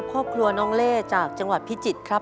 ครอบครัวน้องเล่จากจังหวัดพิจิตรครับ